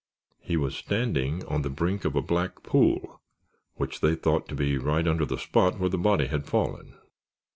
He was standing on the brink of a black pool, which they thought to be right under the spot where the body had fallen.